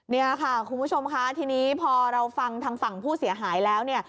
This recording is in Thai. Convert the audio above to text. เนี่ยค่ะคุณผู้ชมค่ะทีนี้พอเราฟังทางฝั่งผู้เสียหายแล้วเนี่ย